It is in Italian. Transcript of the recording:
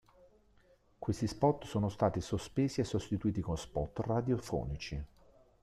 Questi spot sono stati sospesi e sostituiti con spot radiofonici.